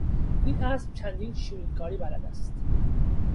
این اسب چندین شیرینکاری بلد است.